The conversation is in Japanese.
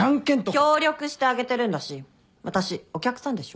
協力してあげてるんだし私お客さんでしょ。